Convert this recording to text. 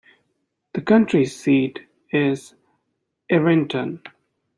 The county seat is Irwinton.